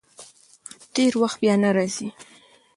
تېر وخت بیا نه راځي.